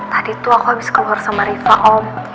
tadi tuh aku habis keluar sama riva om